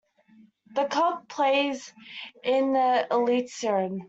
The club plays in the Eliteserien.